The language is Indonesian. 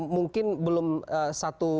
mungkin belum satu